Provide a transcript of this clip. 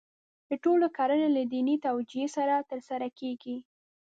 د ټولو کړنې له دیني توجیه سره ترسره کېږي.